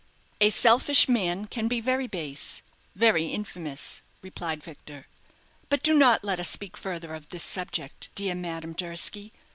"A selfish man can be very base, very infamous," replied Victor. "But do not let us speak further of this subject, dear Madame Durski.